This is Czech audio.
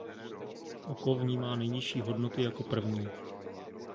Oko vnímá nejnižší hodnoty jako první.